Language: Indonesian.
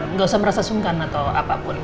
nggak usah merasa sungkan atau apapun